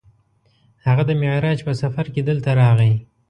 هغه د معراج په سفر کې دلته راغی.